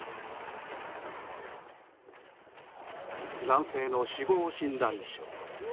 男性の死亡診断書。